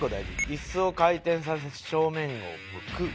「椅子を回転させて正面を向く」